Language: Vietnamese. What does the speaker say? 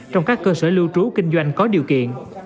trong các cơ sở lưu trú kinh doanh có điều kiện